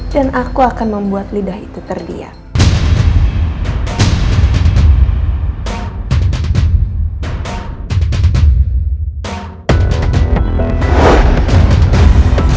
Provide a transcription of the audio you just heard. dan aku akan membuat lidah itu terdiam